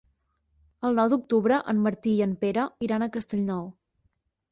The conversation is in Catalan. El nou d'octubre en Martí i en Pere iran a Castellnou.